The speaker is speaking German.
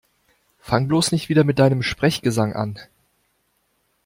Fang bloß nicht wieder mit deinem Sprechgesang an!